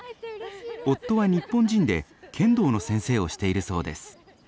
夫は日本人で剣道の先生をしているそうです。